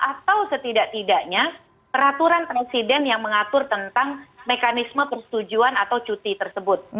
atau setidak tidaknya peraturan presiden yang mengatur tentang mekanisme persetujuan atau cuti tersebut